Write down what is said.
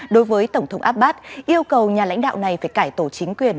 đối với tổng thống abbas yêu cầu nhà lãnh đạo này phải cải tổ chính quyền